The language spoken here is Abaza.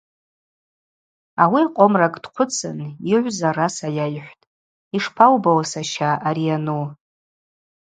Ауи къомракӏ дхъвыцын, йыгӏвза араса йайхӏвтӏ: –Йшпаубауа, саща, ари йану?